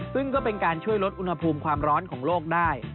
ซึ่งก็เป็นการช่วยลดอุณหภูมิความร้อนของโลกได้